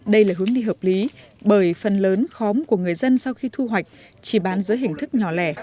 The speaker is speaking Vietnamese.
đây là hướng đi hợp lý bởi phần lớn khóm của người dân sau khi thu hoạch chỉ bán dưới hình thức nhỏ lẻ